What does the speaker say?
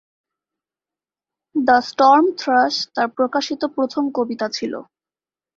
The storm thrush তার প্রকাশিত প্রথম কবিতা ছিল।